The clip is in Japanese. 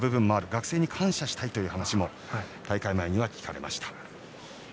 学生に感謝したいという話も大会前には聞かれました。